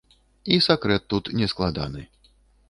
І сакрэт тут нескладаны.